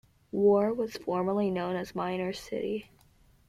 War was formerly known as Miner's City.